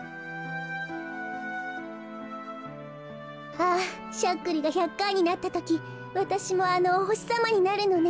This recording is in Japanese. あぁしゃっくりが１００かいになったときわたしもあのおほしさまになるのね。